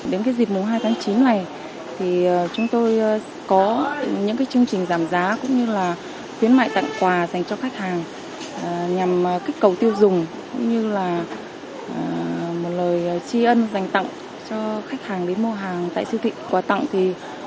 đến dịp hai tháng chín này chúng tôi có những chương trình giảm giá cũng như khuyến mại dạng quà dành cho khách hàng nhằm kích cầu tiêu dùng cũng như là một lời chi ân dành tặng cho khách hàng đến mua hàng tại siêu thị